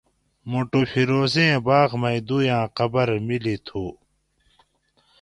موٹو فیروزی باۤغ مئ دویاۤں قبر مِلی تھو